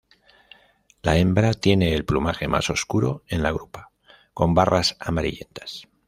La hembra tiene el plumaje más oscuro en la grupa, con barras amarillentas.